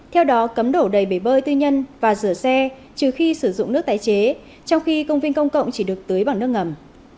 theo đó cấm đổ đầy bể bơi tư nhân và rửa xe trừ khi sử dụng nước tái chế trong khi công viên công cộng chỉ được tưới bằng nước ngầm